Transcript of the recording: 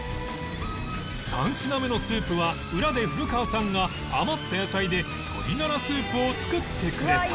３品目のスープは裏で古川さんが余った野菜で鶏ガラスープを作ってくれた